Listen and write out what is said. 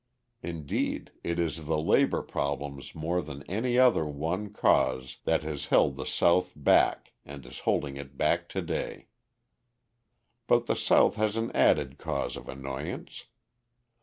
Indeed, it is the labour problem more than any other one cause, that has held the South back and is holding it back to day. But the South has an added cause of annoyance.